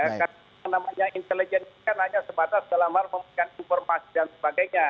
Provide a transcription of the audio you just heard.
karena apa namanya intelijen itu kan hanya sebatas dalam hal memiliki informasi dan sebagainya